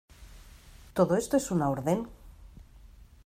¿ todo esto es una orden?